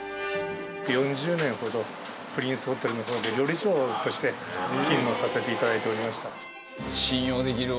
４０年ほどプリンスホテルの方で料理長として勤務をさせて頂いておりました。